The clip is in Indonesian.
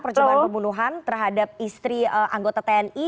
percobaan pembunuhan terhadap istri anggota tni